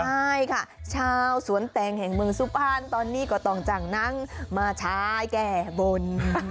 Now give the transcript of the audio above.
ใช่ค่ะชาวสวนแตงแห่งเมืองสุพรรณตอนนี้ก็ต้องจังหนังมาชายแก้บน